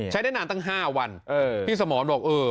ใช้ได้นานตั้งห้าวันเออพี่สมรหน่อยบอกเออ